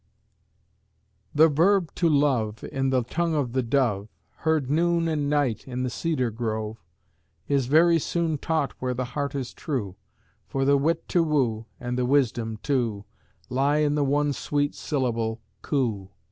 The verb "to love," in the tongue of the dove, Heard noon and night in the cedar grove, Is very soon taught where the heart is true: For the wit to woo, and the wisdom too, Lie in the one sweet syllable, "Coo!"